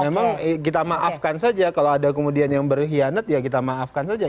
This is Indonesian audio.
memang kita maafkan saja kalau ada kemudian yang berkhianat ya kita maafkan saja